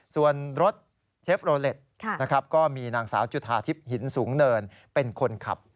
ส่วนรถเชฟโรเล็ตก็มีนางสาวจุธาทิพย์หินสูงเนินเป็นคนขับ